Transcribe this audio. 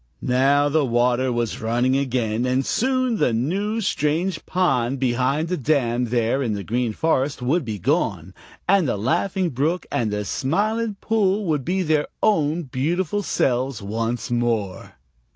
Now the water was running again, and soon the new, strange pond behind the dam there in the Green Forest would be gone, and the Laughing Brook and the Smiling Pool would be their own beautiful selves once more.